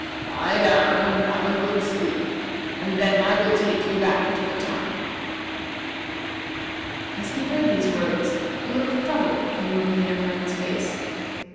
Lie down and have a good sleep, and then I will take you back to the town." As he heard these words, a look of trouble came over the young man's face.